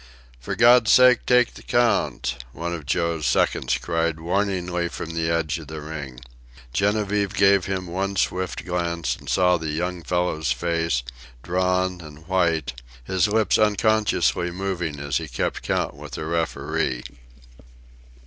"For God's sake, take the count!" one of Joe's seconds cried warningly from the edge of the ring. Genevieve gave him one swift glance, and saw the young fellow's face, drawn and white, his lips unconsciously moving as he kept the count with the referee.